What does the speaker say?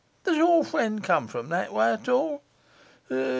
Does your friend come from that way at all?